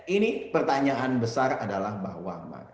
ini pertanyaan besar adalah bahwa